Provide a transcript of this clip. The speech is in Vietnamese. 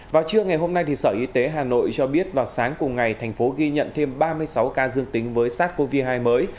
vào trưa ngày hôm nay sở y tế hà nội cho biết vào sáng cùng ngày thành phố ghi nhận thêm ba mươi sáu ca dương tính với sars cov hai mới